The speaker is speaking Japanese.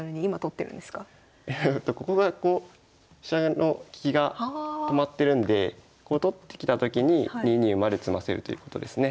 ここがこう飛車の利きが止まってるんでこう取ってきたときに２二馬で詰ませるということですね。